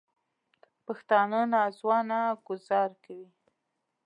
پښتانه نا ځوانه ګوزار کوي